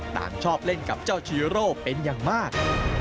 ต่างชอบเล่นกับเจ้าชีโร่เป็นอย่างมาก